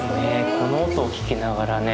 この音を聞きながらね